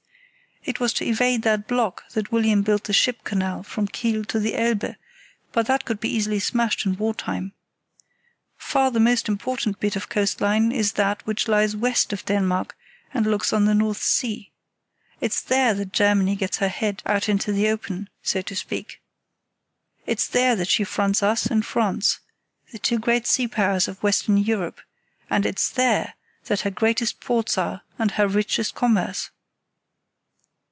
It was to evade that block that William built the ship canal from Kiel to the Elbe, but that could be easily smashed in war time. Far the most important bit of coast line is that which lies west of Denmark and looks on the North Sea. It's there that Germany gets her head out into the open, so to speak. It's there that she fronts us and France, the two great sea powers of Western Europe, and it's there that her greatest ports are and her richest commerce.